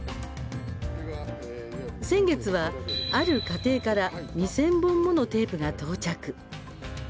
先月は、ある家庭から２０００本ものテープが到着。